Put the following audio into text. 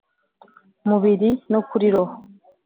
Mubiri no kuri roho